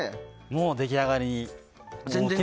もう出来上がりに。